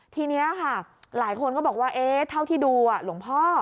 ทีนี้ค่ะหลายคนก็บอกว่าเท่าที่ดูหลวงพ่อ